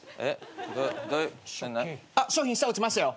あっ商品下落ちましたよ。